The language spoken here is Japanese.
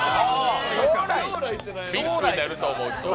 将来ビッグになると思う人。